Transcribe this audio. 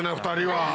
２人は。